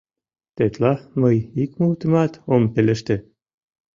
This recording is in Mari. — Тетла мый ик мутымат ом пелеште.